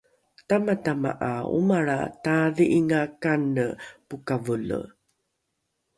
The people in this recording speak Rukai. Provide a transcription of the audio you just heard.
tamatama ’a omalra taadhi’inga kane pokavole